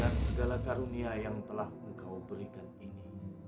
dan segala karunia yang telah engkau berikan ini